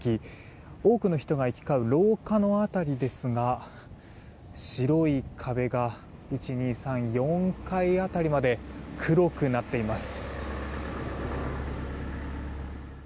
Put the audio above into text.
多くの人が行き交う廊下の辺りですが白い壁が１、２、３、４階辺りまで黒くなっています。